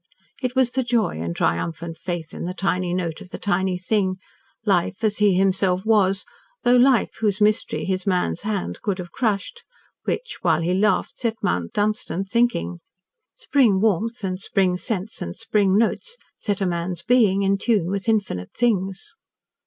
It was the joy and triumphant faith in the tiny note of the tiny thing Life as he himself was, though Life whose mystery his man's hand could have crushed which, while he laughed, set Mount Dunstan thinking. Spring warmth and spring scents and spring notes set a man's being in tune with infinite things.